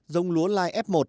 dông lúa lai f một